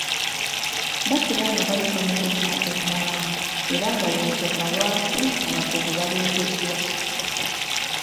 Bakira nga bayita mu kulima emmwanyi era nga y’ensonga lwaki abakugu baleeteddwa.